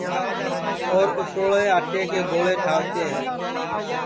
اور اُسݪوݪے آٹے کے گوݪے ٹھاوتے ہے